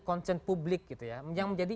concern publik gitu ya yang menjadi